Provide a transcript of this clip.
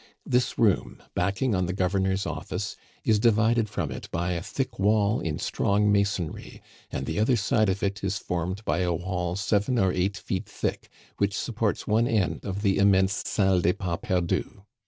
This room, backing on the governor's office, is divided from it by a thick wall in strong masonry, and the other side of it is formed by a wall seven or eight feet thick, which supports one end of the immense Salle des Pas Perdus.